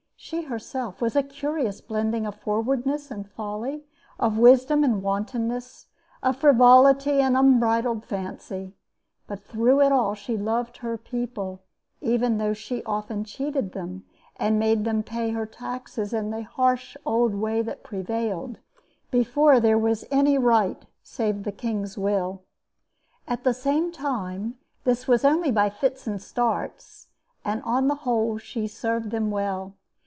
She herself was a curious blending of forwardness and folly, of wisdom and wantonness, of frivolity and unbridled fancy. But through it all she loved her people, even though she often cheated them and made them pay her taxes in the harsh old way that prevailed before there was any right save the king's will. At the same time, this was only by fits and starts, and on the whole she served them well.